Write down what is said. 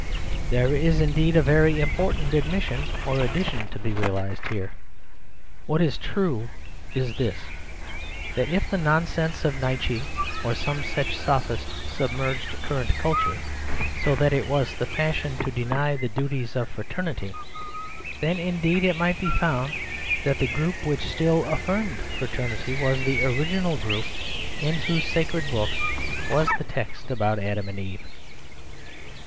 There is indeed a very important admission, or addition, to be realised here. What is true is this: that if the non sense of Nietzsche or some such sophist sub merged current culture, so that it was the fashion to deny the duties of fraternity; then indeed it might be found that the group which still aflirmed fraternity was the original group in whose sacred books was the text about Adam and Eve.